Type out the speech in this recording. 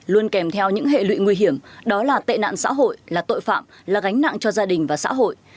luôn kèm theo những hệ lụy nguy hiểm đó là tệ nạn xã hội là tội phạm là gánh nặng cho gia đình và xã hội